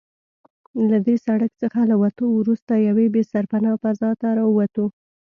له دې سړک څخه له وتو وروسته یوې بې سرپنا فضا ته راووتو.